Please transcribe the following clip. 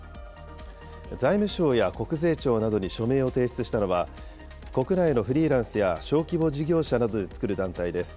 財務省や国税庁などに署名を提出したのは、国内のフリーランスや小規模事業者などで作る団体です。